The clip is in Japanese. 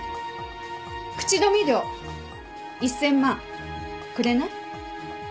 口止め料１千万くれない？